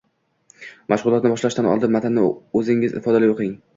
Mashg‘ulotni boshlashdan oldin matnni o‘zingiz ifodali o‘qing